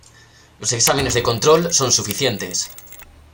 Los exámenes de control son suficientes.